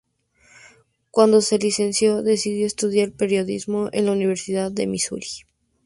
Cuando se licenció decidió estudiar periodismo en la universidad de Misuri.